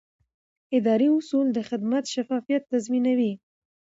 اداري اصول د خدمت شفافیت تضمینوي.